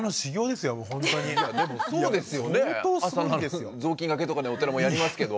朝ぞうきんがけとかねお寺もやりますけど。